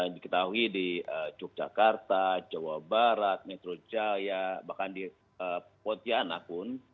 diketahui di yogyakarta jawa barat metro jaya bahkan di pontianak pun